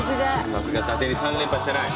さすがだてに３連覇してない。